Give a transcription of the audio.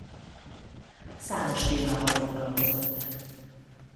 Számos témával foglalkozott.